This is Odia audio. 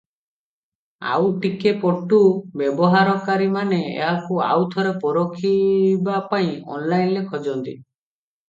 ଆଉ ଟିକେ ପଟୁ ବ୍ୟବହାରକାରୀମାନେ ଏହାକୁ ଆଉଥରେ ପରଖିବା ପାଇଁ ଅନଲାଇନରେ ଖୋଜନ୍ତି ।